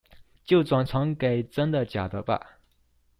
就轉傳給真的假的吧